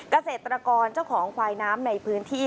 เกษตรกรเจ้าของควายน้ำในพื้นที่